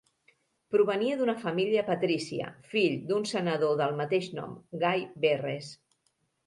Provenia d'una família patrícia, fill d'un senador del mateix nom Gai Verres.